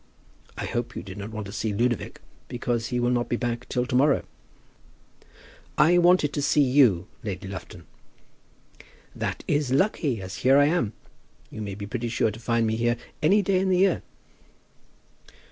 I hope you did not want to see Ludovic, because he will not be back till to morrow?" "I wanted to see you, Lady Lufton." "That is lucky, as here I am. You may be pretty sure to find me here any day in the year."